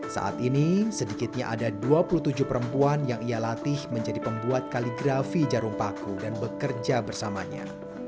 saat ini sedikitnya ada dua puluh tujuh perempuan yang ia latih menjadi pembuat kaligrafi jarum paku dan bekerja bersamanya